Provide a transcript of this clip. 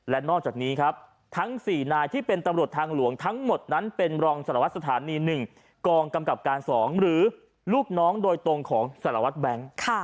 และนอกจากนี้ครับทั้ง๔นายที่เป็นตำรวจทางหลวงทั้งหมดนั้นเป็นรองสารวัตรสถานี๑กองกำกับการ๒หรือลูกน้องโดยตรงของสารวัตรแบงค์